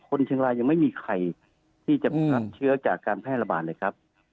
คนเชียงรายยังไม่มีใครที่จะรับเชื้อจากการแพร่ระบาดเลยครับ